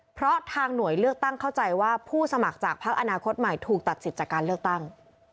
เพราะทางหน่วยเลือกตั้งเข้าใจว่าผู้สมัครจากพักอนาคตใหม่ถูกตัดสิทธิ์จากการเลือกตั้ง